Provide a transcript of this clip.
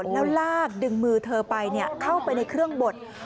แล้วลากดึงมือเธอไปเข้าไปในเครื่องบด